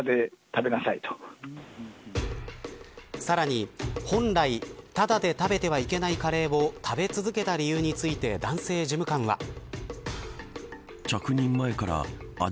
さらに本来ただで食べてはいけないカレーを食べ続けた理由について男性事務官は。